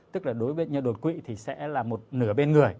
tức là đối với bệnh nhân đột quỵ thì sẽ là một nửa bên người